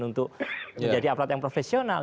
untuk menjadi aparat yang profesional